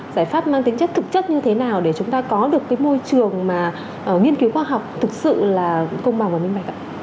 giải pháp mang tính chất thực chất như thế nào để chúng ta có được cái môi trường mà nghiên cứu khoa học thực sự là công bằng và minh bạch ạ